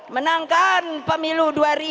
menangkan pemilu dua ribu dua puluh